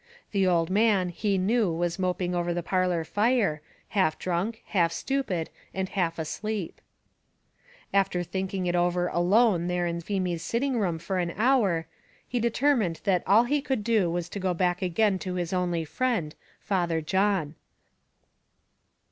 The old man he knew was moping over the parlour fire, half drunk, half stupid, and half asleep. After thinking over it alone there in Feemy's sitting room for an hour, he determined that all he could do was to go back again to his only friend, Father John.